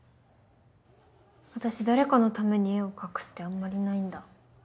私誰かのために絵を描くってあんまりないんだ。